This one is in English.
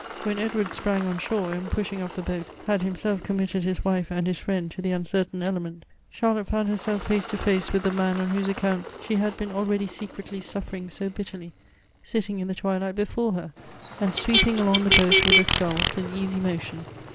"When Edward sprang on shore, and, pushing off the boat, had himself committed his wife andhisfi iend to the uncertain element, Charlotte found herself face to face with the man on whose account she had been already secretly sufieririg so bitterly, sitting in the twilight before her, and sweeping along the boat with the sculls in easy motion.